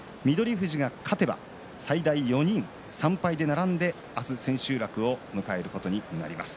富士が勝てば最大４人３敗で並んで明日千秋楽を迎えることになります。